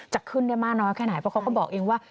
จะขึ้นได้มากน้อยแค่ไหนเพราะเขาก็บอกเองว่า